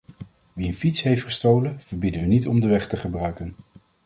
Wie een fiets heeft gestolen, verbieden we niet om de weg te gebruiken.